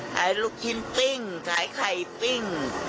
ลูกชิ้นปิ้งขายไข่ปิ้ง